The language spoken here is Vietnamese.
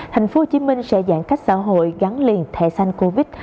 tp hcm sẽ giãn cách xã hội gắn liền thẻ sanh covid